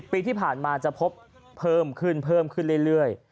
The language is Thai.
ปีที่ผ่านมาจะพบเพิ่มขึ้นเพิ่มขึ้นเรื่อย